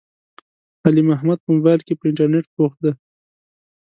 علي محمد په مبائل کې، په انترنيت بوخت دی.